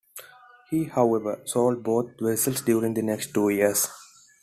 He, however, sold both vessels during the next two years.